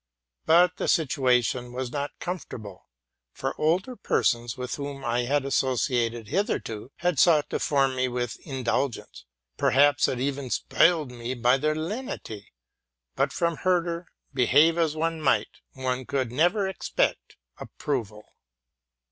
But the situation was not comfortable ; for older persons, with whom I had associ ated hitherto, had sought to form me with indulgence, perhaps 16 TRUTH AND FICTION had even spoiled me by their lenity : but from Herder, behave as one might, one could never expect approval.